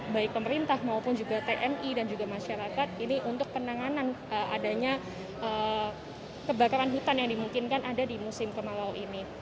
baik pemerintah maupun juga tni dan juga masyarakat ini untuk penanganan adanya kebakaran hutan yang dimungkinkan ada di musim kemarau ini